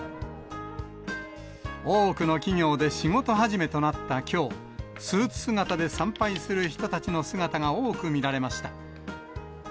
多くの企業で仕事始めとなったきょう、スーツ姿で参拝する人たちの姿が多く見られました。